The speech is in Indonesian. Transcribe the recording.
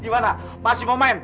gimana pasti mau main